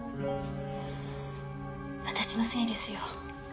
私のせいですよ。